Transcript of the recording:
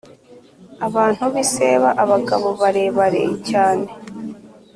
abantu b’i seba, abagabo barebare cyane,